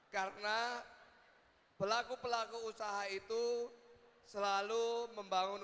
karena pelaku pelaku usaha itu selalu membangun usaha